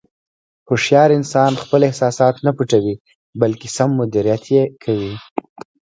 هوښیار انسان خپل احساسات نه پټوي، بلکې سم مدیریت یې کوي.